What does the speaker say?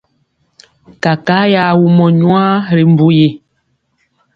Kakaa ya wumɔ nwaa ri mbu yi.